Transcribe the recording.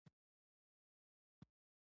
ولونه یې تازه کړل.